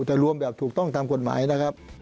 แต่รวมแบบถูกต้องตามกฎหมายนะครับ